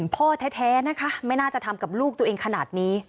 พ่อแท้นะคะไม่น่าจะทำกับลูกตัวเองขนาดนี้